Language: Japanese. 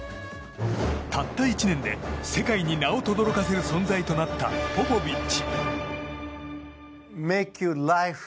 たった１年で世界に名をとどろかせる存在となった、ポポビッチ。